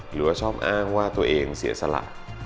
หรือว่าชอบอ้างว่าตัวเองเสียสละ